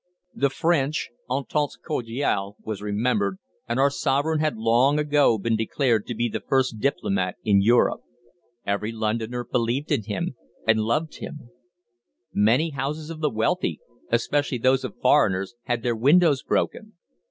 The French entente cordiale was remembered, and our Sovereign had long ago been declared to be the first diplomat in Europe. Every Londoner believed in him, and loved him. Many houses of the wealthy, especially those of foreigners, had their windows broken.